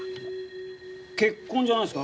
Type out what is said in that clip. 血痕じゃないですか？